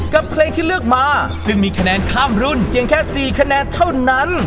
กับเพลงที่เลือกมาซึ่งมีคะแนนข้ามรุ่นเพียงแค่๔คะแนนเท่านั้น